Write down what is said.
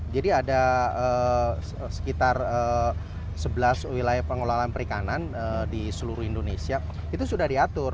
jadi ada sekitar sebelas wilayah pengelolaan perikanan di seluruh indonesia itu sudah diatur